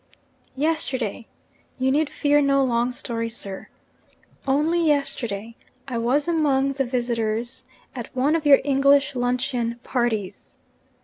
'Yesterday you need fear no long story, sir; only yesterday I was among the visitors at one of your English luncheon parties.